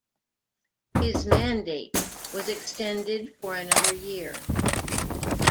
His mandate was extended for another year.